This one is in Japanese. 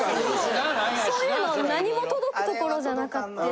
そういうの何も届くところじゃなかって。